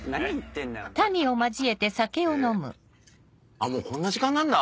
あっもうこんな時間なんだ。